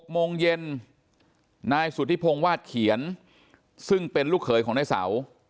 โมงเย็นนายสุธิพงศ์วาดเขียนซึ่งเป็นลูกเขยของนายเสา